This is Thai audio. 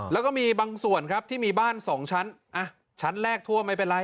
แล้วก็มีบางส่วนครับที่มีบ้าน๒ชั้นชั้นแรกทั่วไม่เป็นไร